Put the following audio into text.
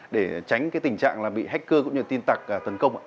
để tránh cái tình trạng bị hacker cũng như tin tặc á tấn công ạ